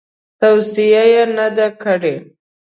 توصیه یې نه ده کړې.